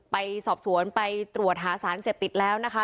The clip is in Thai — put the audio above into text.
ไปสอบสวนไปตรวจหาสารเสพติดแล้วนะคะ